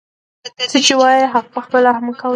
څه چې وايي هغه پخپله هم کوي.